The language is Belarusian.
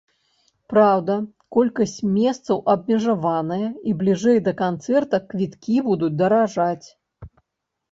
Праўда, колькасць месцаў абмежаваная і бліжэй да канцэрта квіткі будуць даражаць.